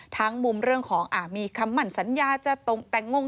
ทั้งมุมเรื่องของมีคำหมั่นสัญญาจะแต่งงง